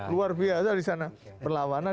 luar biasa di sana perlawanan